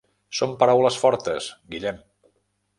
Són paraules fortes, Guillem.